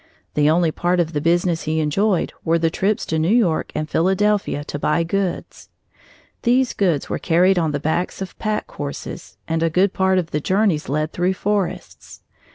The only part of the business he enjoyed were the trips to New York and Philadelphia to buy goods. These goods were carried on the backs of pack horses, and a good part of the journeys led through forests.